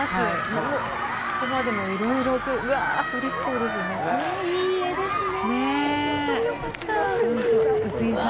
ここまでもいろいろと、うわー、うれしそうですね。